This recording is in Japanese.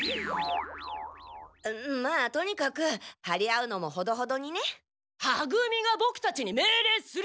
まあとにかくはり合うのもほどほどにね。は組がボクたちにめいれいするな！